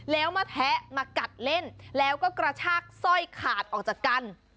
แล้วมาแทะมากัดเล่นแล้วก็กระชากสร้อยขาดออกจากกัน